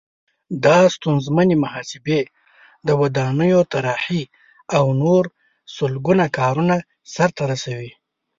دا ستونزمنې محاسبې، د ودانیو طراحي او نور سلګونه کارونه سرته رسوي.